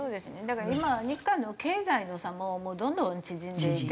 だから今日韓の経済の差もどんどん縮んでいて。